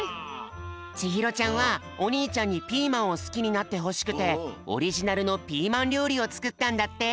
ちひろちゃんはおにいちゃんにピーマンをスキになってほしくてオリジナルのピーマンりょうりをつくったんだって。